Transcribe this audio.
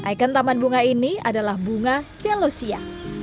ikon taman bunga ini adalah bunga celosia